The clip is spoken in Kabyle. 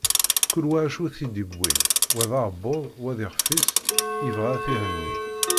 Kul wa acu i t-yewwin, wa d aɛebbuḍ, wa d ixef-is yebɣa ad t-ihenni.